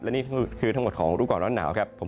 และนี่คือทั้งหมดของรู้ก่อนร้อนหนาวครับผม